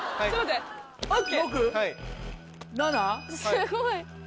すごい。